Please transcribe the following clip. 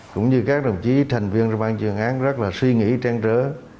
cũng như các đồng chí thành viên ban chuyên án rất là suy nghĩ trang trớ